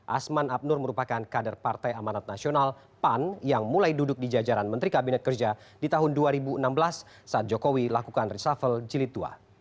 asman abnur merupakan kader partai amanat nasional pan yang mulai duduk di jajaran menteri kabinet kerja di tahun dua ribu enam belas saat jokowi lakukan reshuffle jilid ii